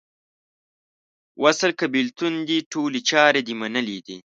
وصل که بیلتون دې ټولي چارې دې منلې دي